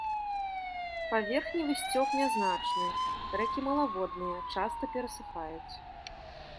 Паверхневы сцёк нязначны, рэкі малаводныя, часта перасыхаюць.